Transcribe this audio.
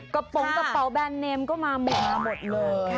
กระป๋องตะเปี๊วนแบนเนมก็มาหมดละหมดเลย